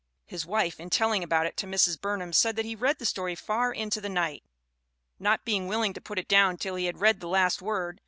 His wife in telling about it to Mrs. Burnham said that he read the story far into the night, not being willing to put it down till he had read the last word.